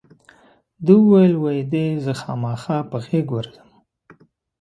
ده وویل وی دې زه خامخا په غېږ ورځم.